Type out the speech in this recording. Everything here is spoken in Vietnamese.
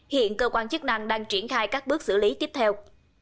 hiện cơ quan chức năng đang triển khai các bước xử lý tiếp theo